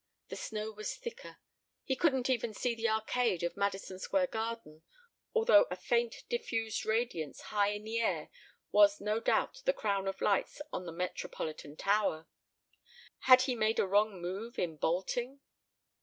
The snow was thicker. He couldn't even see the arcade of Madison Square Garden, although a faint diffused radiance high in air was no doubt the crown of lights on the Metropolitan Tower. ... Had he made a wrong move in bolting